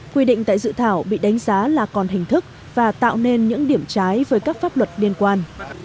quy định tại dự thảo bị đánh giá là còn hình thức và tạo nên những điểm trái với các pháp luật liên quan